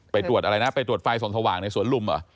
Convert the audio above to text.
ตรวจอะไรนะไปตรวจไฟส่องสว่างในสวนลุมเหรอ